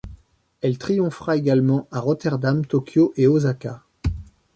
Elle triomphera également à Rotterdam, Tokyo et Osaka.